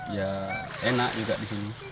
ya enak juga di sini